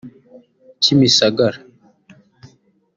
Kimisagara